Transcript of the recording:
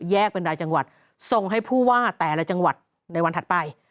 เป็นรายจังหวัดส่งให้ผู้ว่าแต่ละจังหวัดในวันถัดไป